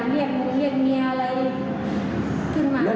รู้สึก